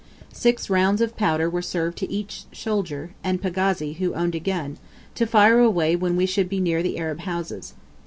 Six rounds of powder were served to each soldier and pagazi who owned a gun, to fire away when we should be near the Arab houses.